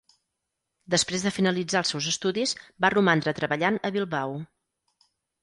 Després de finalitzar els seus estudis va romandre treballant a Bilbao.